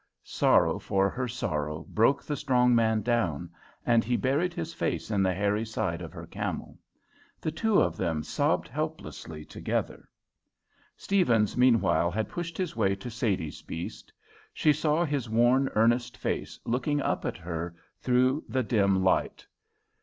Sorrow for her sorrow broke the strong man down, and he buried his face in the hairy side of her camel. The two of them sobbed helplessly together. Stephens meanwhile had pushed his way to Sadie's beast. She saw his worn, earnest face looking up at her through the dim light.